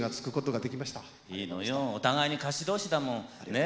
いいのよお互いに歌手同士だもんねえ